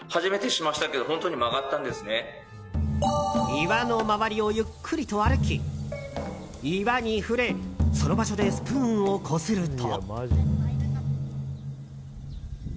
岩の周りをゆっくりと歩き岩に触れその場所でスプーンをこすると。